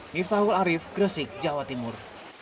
miftahul arief gresik jawa timur